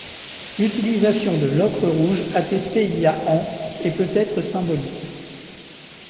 L'utilisation de l'ocre rouge, attestée il y a ans, est peut-être symbolique.